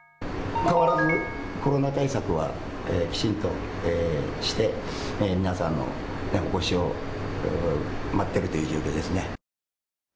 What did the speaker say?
変わらずコロナ対策はきちんとして皆さんのお越しを待っているという状況です。